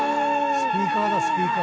スピーカーだスピーカー。